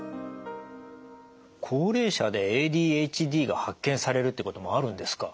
高齢者でＡＤＨＤが発見されるっていうこともあるんですか？